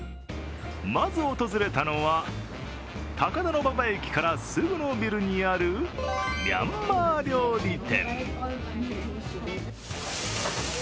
まず訪れたのは、高田馬場駅からすぐのビルにあるミャンマー料理店。